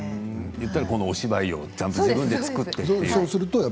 行ったらお芝居をちゃんと自分で作って。